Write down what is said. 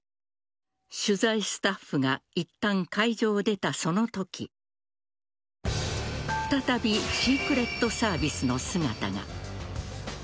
取材スタッフがいったん会場を出たそのとき再びシークレットサービスの姿が。